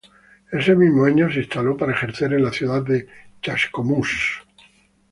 Ese mismo año se instaló para ejercer en la ciudad de Chascomús.